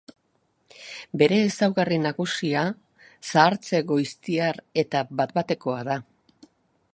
Bere ezaugarri nagusia zahartze goiztiar eta bat-batekoa da.